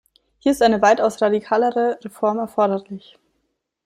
Hier ist eine weitaus radikalere Reform erforderlich.